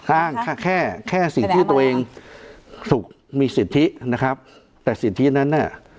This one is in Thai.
อ้างแค่สิทธิจน์ตัวเองมีสิทธิจนั้น